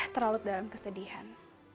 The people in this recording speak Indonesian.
terlalu dalam kesedihan